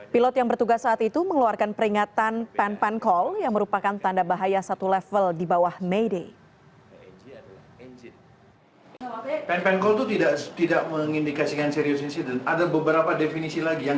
pilot yang bertugas saat itu mengeluarkan peringatan pan pan call yang merupakan tanda bahaya satu level di bawah mayday